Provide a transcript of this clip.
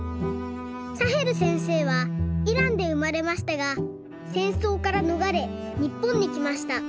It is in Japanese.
サヘルせんせいはイランでうまれましたがせんそうからのがれにっぽんにきました。